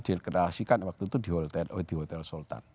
dikreasikan waktu itu di hotel sultan